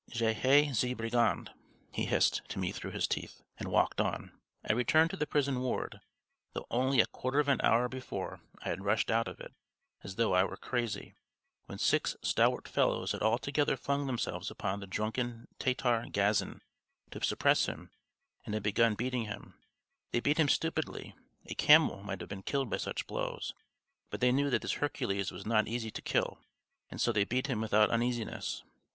"Je haïs ces brigands!" he hissed to me through his teeth, and walked on. I returned to the prison ward, though only a quarter of an hour before I had rushed out of it, as though I were crazy, when six stalwart fellows had all together flung themselves upon the drunken Tatar Gazin to suppress him and had begun beating him; they beat him stupidly, a camel might have been killed by such blows, but they knew that this Hercules was not easy to kill, and so they beat him without uneasiness.